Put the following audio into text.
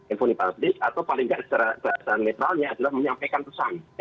infoni publik atau paling tidak secara bahasa netralnya adalah menyampaikan pesan